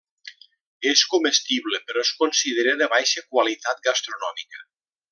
És comestible però es considera de baixa qualitat gastronòmica.